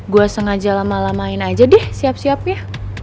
gua sengaja lama lama main aja deh siap siapnya